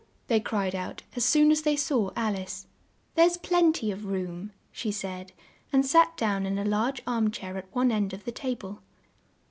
they cried out as soon as they saw Al ice. "There's plen ty of room," she said, and sat down in a large arm chair at one end of the table.